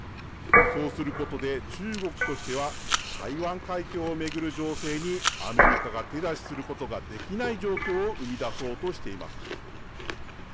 そうすることで中国としては台湾海峡を巡る情勢にアメリカが手出しすることができない状況を生み出そうとしています。